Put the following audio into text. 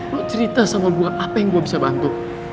lo cerita sama gue apa yang gue bisa bantu